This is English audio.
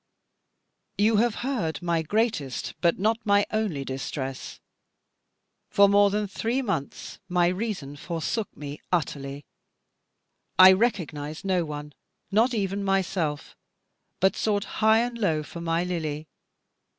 You have heard my greatest but not my only distress. For more than three months, my reason forsook me utterly. I recognised no one, not even myself, but sought high and low for my Lily.